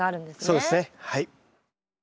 そうですねはい。